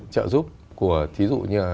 trợ giúp của thí dụ như